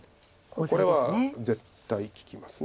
これは絶対利きます。